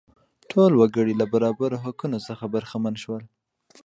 ټول وګړي له برابرو حقونو برخمن شول.